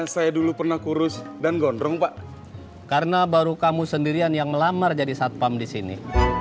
saya dulu pernah kurus dan gondrong pak karena baru kamu sendirian yang melamar jadi satpam di sini